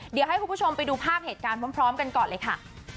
เดี๋ยวให้คุณผู้ชมไปดูภาพเหตุการณ์พร้อมกันก่อนเลยค่ะ